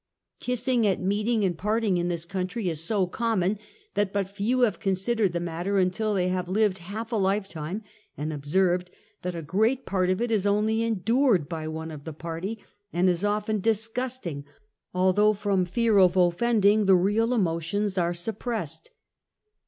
Kissing at meeting and parting in this country is so common that but few have considered the matter until they have lived half a life time and observed that a great part of it is only enditi^ed by one of the party, and is often disgusting, although from fear of offending, the real emotions are suppressed.